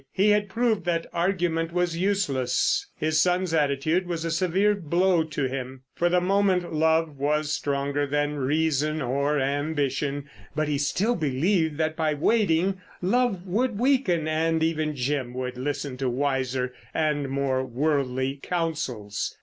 He had proved that argument was useless. His son's attitude was a severe blow to him. For the moment love was stronger than reason or ambition, but he still believed that by waiting, love would weaken and even Jim would listen to wiser and more worldly counsels.